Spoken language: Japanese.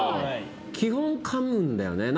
基本、かむんだよね。